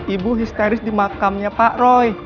ibu histeris di makamnya pak roy